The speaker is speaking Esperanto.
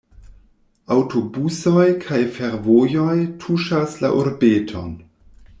Aŭtobusoj kaj fervojoj tuŝas la urbeton.